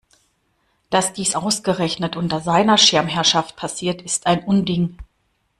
Dass dies ausgerechnet unter seiner Schirmherrschaft passiert, ist ein Unding!